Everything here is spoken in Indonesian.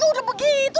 kok lo udah begitu